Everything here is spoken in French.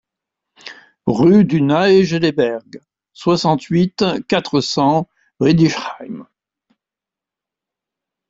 Rue du Naegeleberg, soixante-huit, quatre cents Riedisheim